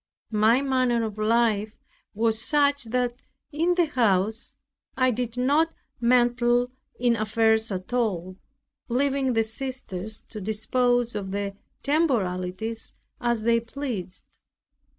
My manner of life was such, that in the house I did not meddle in affairs at all, leaving the sisters to dispose of the temporalities as they pleased.